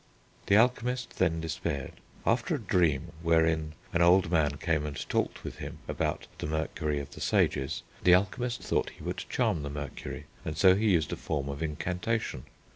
The Alchemist then despaired; after a dream, wherein an old man came and talked with him about the "Mercury of the Sages," the Alchemist thought he would charm the Mercury, and so he used a form of incantation.